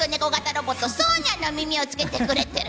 ロボットのソーニャの耳を着けてる。